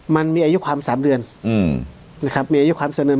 มันมีอายุความสามเดือนอืมนะครับมีอายุความสามเดือน